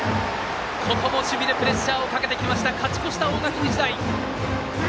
ここも守備でプレッシャーかける勝ち越した大垣日大。